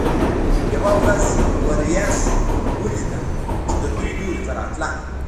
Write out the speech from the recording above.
یوه ورځ ورېځ ولیده چې د دوی لوري ته راتله.